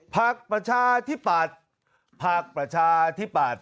ภักดิ์ประชาธิบดภักดิ์ประชาธิบด